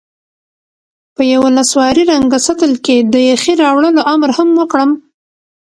په یوه نسواري رنګه سطل کې د یخې راوړلو امر هم وکړم.